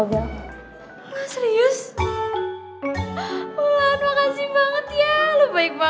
tapi juga setara talenta